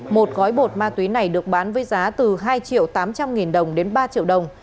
một gói bột ma túy này được bán với giá từ hai triệu tám trăm linh nghìn đồng đến ba triệu đồng